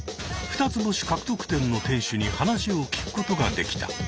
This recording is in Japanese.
二つ星獲得店の店主に話を聞くことができた。